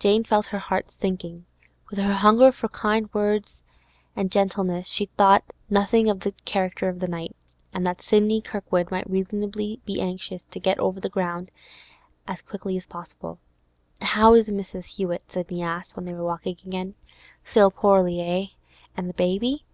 Jane felt her heart sinking. With her hunger for kind and gentle words, she thought nothing of the character of the night, and that Sidney Kirkwood might reasonably be anxious to get over the ground as quickly as possible. 'How is Mrs. Hewett?' Sidney asked, when they were walking on again. 'Still poorly, eh? And the baby?